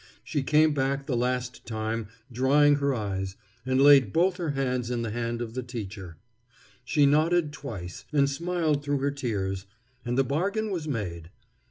She came back the last time drying her eyes, and laid both her hands in the hand of the teacher. She nodded twice and smiled through her tears, and the bargain was made.